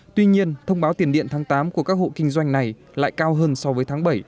tuy nhiên thông báo tiền điện tháng tám của các hộ kinh doanh này lại cao hơn so với tháng bảy